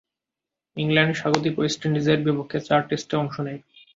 England স্বাগতিক west ইন্ডিজের বিপক্ষে চার টেস্টে অংশ নেয়।